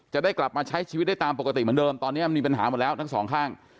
จะได้กลับมาใช้ชีวิตได้ตามปกติเหมือนเดิมตอนนี้มีปัญหาหมดแล้วทั้งสองข้าง